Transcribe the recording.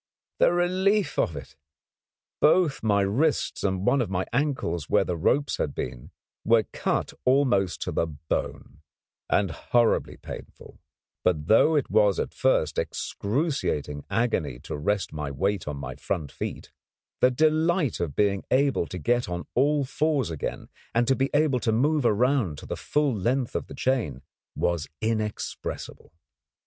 The relief of it! Both my wrists and one of my ankles where the ropes had been were cut almost to the bone, and horribly painful; but though it was at first excruciating agony to rest my weight on my front feet, the delight of being able to get on all fours again, and to be able to move around to the full length of the chain, was inexpressible.